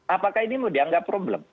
apakah ini mau dianggap problem